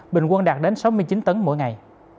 bình quân đạt đến sáu mươi chín tấn mỗi ngày